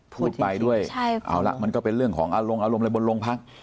พูดไปด้วยเอาละมันก็เป็นเรื่องของอารมณ์อารมณ์อะไรบนโรงพัก